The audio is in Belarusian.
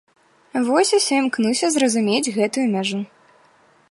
Вось усё імкнуся зразумець гэтую мяжу.